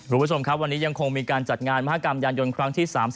คุณผู้ชมครับวันนี้ยังคงมีการจัดงานมหากรรมยานยนต์ครั้งที่๓๐